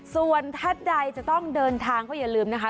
ส่วนท่านใดจะต้องเดินทางก็อย่าลืมนะคะ